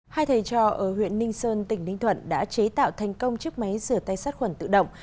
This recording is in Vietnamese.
hai thầy trò ở huyện ninh sơn tỉnh ninh thuận đã chế tạo thành công chiếc máy rửa tay sát khuẩn tự động